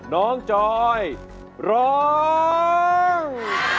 น้องจอยร้อง